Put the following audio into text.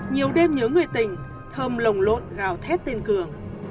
nhiều đêm nhớ người tình thơm lồng lộn gào thét tên cường